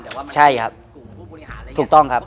แต่ว่ามันเป็นกลุ่มผู้บุริหารอะไรอย่างนี้